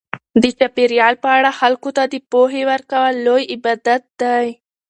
د چاپیریال په اړه خلکو ته د پوهې ورکول لوی عبادت دی.